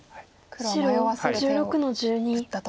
黒は迷わせる手を打ったと。